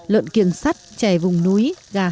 lợn kiêng sắt chè vùng núi